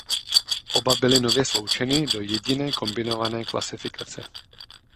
Oba byly nově sloučeny do jediné kombinované klasifikace.